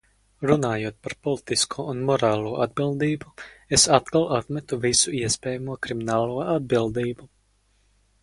Runājot par politisko un morālo atbildību, es atkal atmetu visu iespējamo kriminālo atbildību.